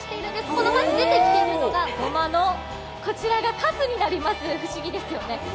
この出てきているのが、ごまのかすになります、不思議ですよね。